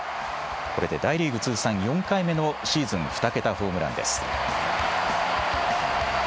これで大リーグ通算４回目のシーズン２桁ホームランです。